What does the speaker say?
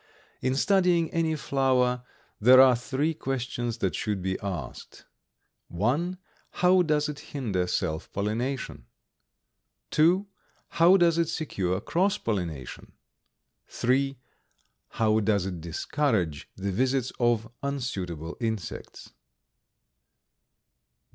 In studying any flower there are three questions that should be asked: (1) How does it hinder self pollination?; (2) How does it secure cross pollination?; (3) How does it discourage the visits of unsuitable insects?